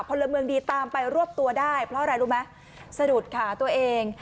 พลเมืองดีตามไปรวบตัวได้เพราะอะไรรู้ไหมสะดุดขาตัวเอง